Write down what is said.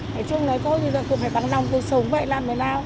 nói chung là cô thì cũng phải bằng lòng tôi sống vậy làm thế nào